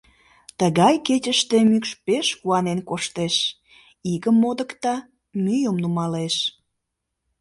Тыгай кечыште мӱкш пеш куанен коштеш: игым модыкта, мӱйым нумалеш...